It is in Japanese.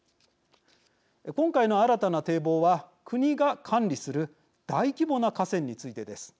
今回の新たな堤防は国が管理する大規模な河川についてです。